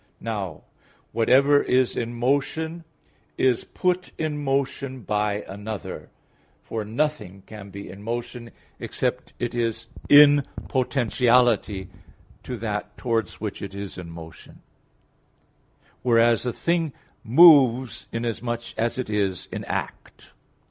Now whatever is in motion is put in motion by another, for nothing can be in motion except it is in potentiality to that towards which it is in motion; whereas a thing moves inasmuch as it is in act.